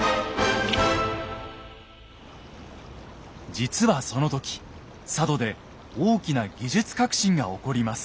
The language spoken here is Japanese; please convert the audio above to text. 実はその時佐渡で大きな技術革新が起こります。